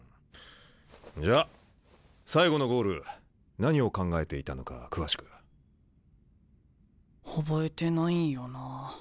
んじゃ最後のゴール何を考えていたのか詳しく。覚えてないんよなあ。